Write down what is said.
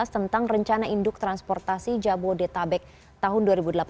tentang rencana induk transportasi jabodetabek tahun dua ribu delapan belas dua ribu dua puluh sembilan